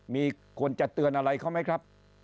มีควรจะเตือนอะไรเขาไหมครับ